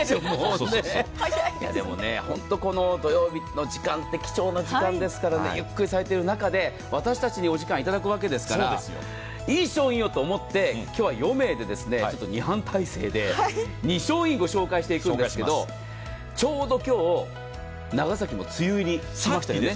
でもね、土曜日のこの時間って貴重な時間ですからねゆっくりされている中で私たちのお時間をいただくわけですから、いい商品をと思って今日は４名で、２班態勢で２商品御紹介していくんですけどちょうど今日、長崎も梅雨入りしましたよね。